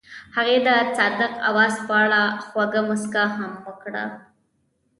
هغې د صادق اواز په اړه خوږه موسکا هم وکړه.